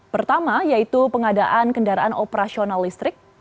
pertama yaitu pengadaan kendaraan operasional listrik